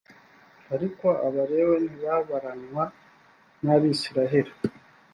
ariko abalewi ntibabaranwa n’ abisirayeli